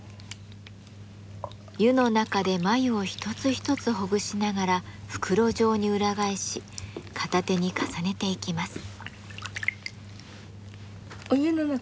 湯の中で繭を一つ一つほぐしながら袋状に裏返し片手に重ねていきます。